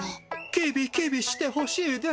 キビキビしてほしいです。